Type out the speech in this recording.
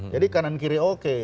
jadi kanan kiri oke